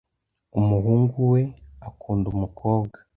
umuhungu we akunda umukobwa.